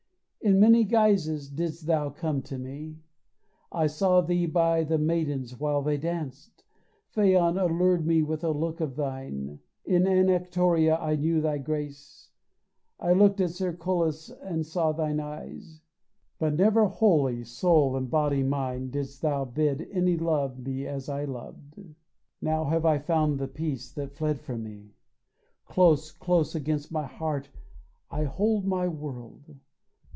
In many guises didst thou come to me; I saw thee by the maidens while they danced, Phaon allured me with a look of thine, In Anactoria I knew thy grace, I looked at Cercolas and saw thine eyes; But never wholly, soul and body mine, Didst thou bid any love me as I loved. Now have I found the peace that fled from me; Close, close against my heart I hold my world.